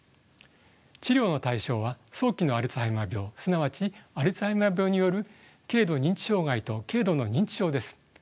治療の対象は早期のアルツハイマー病すなわちアルツハイマー病による軽度認知障害と軽度の認知症です。